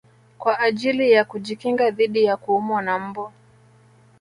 Kwa ajili ya kujikinga dhidi ya kuumwa na mbu